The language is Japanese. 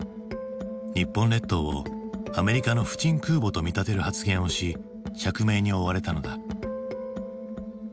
日本列島をアメリカの不沈空母と見立てる発言をし釈明に追われたのだ。